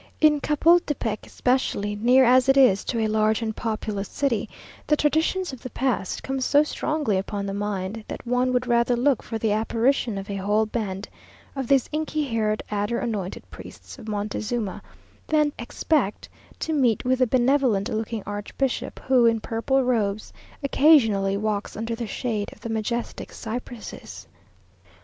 In Chapultepec especially, near as it is to a large and populous city, the traditions of the past come so strongly upon the mind, that one would rather look for the apparition of a whole band of these inky haired adder anointed priests of Montezuma, than expect to meet with the benevolent looking archbishop, who, in purple robes, occasionally walks under the shade of the majestic cypresses.